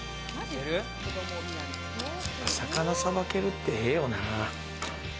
魚、さばけるってええよな。